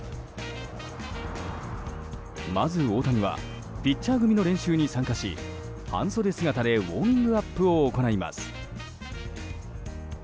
まず、大谷はピッチャー組の練習に参加し半袖姿でウォーミングアップを行います。